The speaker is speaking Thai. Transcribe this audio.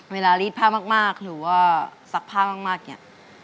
เวลารีดผ้ามากหรือว่าซักผ้ามากอย่างนี้